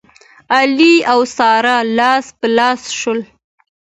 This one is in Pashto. علي او ساره لاس په لاس شول.